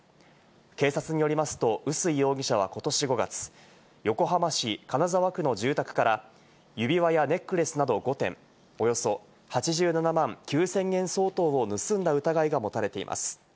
警察によりますと、薄井容疑者はことし５月、横浜市金沢区の住宅から指輪やネックレスなど５点、およそ８７万９０００円相当を盗んだ疑いが持たれています。